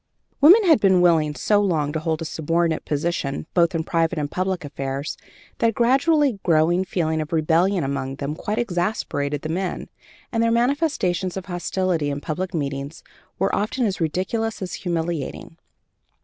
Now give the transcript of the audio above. Women had been willing so long to hold a subordinate position, both in private and public affairs, that a gradually growing feeling of rebellion among them quite exasperated the men, and their manifestations of hostility in public meetings were often as ridiculous as humiliating.